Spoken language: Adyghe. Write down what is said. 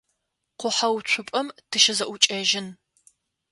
Къухьэуцупӏэм тыщызэӏукӏэжьын.